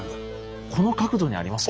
この角度にありますか？